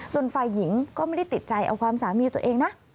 ส่วนฝ่ายหญิงก็ไม่ได้ติดใจเอาความสามีตัวเองนะ